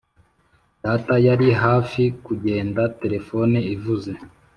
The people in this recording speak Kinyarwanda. data yari hafi kugenda, telefone ivuze.